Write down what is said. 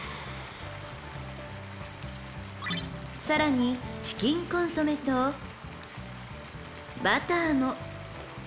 ［さらにチキンコンソメとバターも］